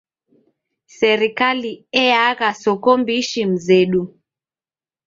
Serikali eagha soko mbishi mzedu.